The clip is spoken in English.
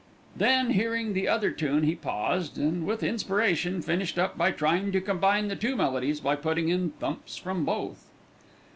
Then hearing the other tune, he paused and with inspiration finished up by trying to combine the two melodies by putting in thumps from both.